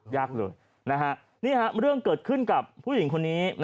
ยากเลยนี่ฮะเรื่องเกิดขึ้นกับผู้หญิงคนนี้